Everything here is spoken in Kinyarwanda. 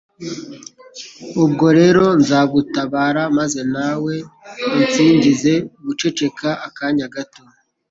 ubwo rero nzagutabara maze nawe unsingize» guceceka akanya gato